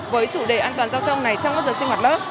với chủ đề an toàn giao thông này trong các giờ sinh hoạt lớp